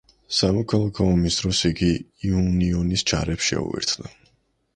სამოქალაქო ომის დროს იგი იუნიონის ჯარებს შეუერთდა.